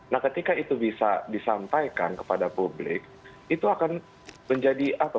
nah ketika itu bisa disampaikan kepada publik itu akan menjadi apa